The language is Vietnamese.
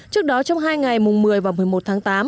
trước đó trong hai ngày mùng một mươi và một mươi một tháng tám